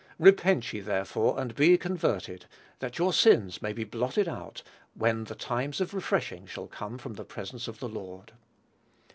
Repent ye, therefore, and be converted, that your sins may be blotted out, when the times of refreshing shall come from the presence of the Lord."